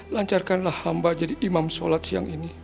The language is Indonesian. lancarkanlah hamba jadi imam sholatnya